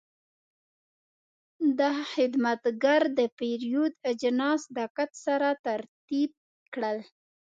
دا خدمتګر د پیرود اجناس دقت سره ترتیب کړل.